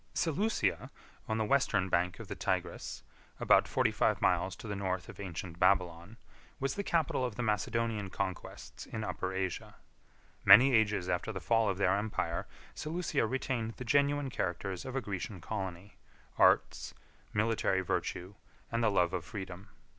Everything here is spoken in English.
] Seleucia, on the western bank of the Tigris, about forty five miles to the north of ancient Babylon, was the capital of the Macedonian conquests in Upper Asia. 38 Many ages after the fall of their empire, Seleucia retained the genuine characters of a Grecian colony, arts, military virtue, and the love of freedom.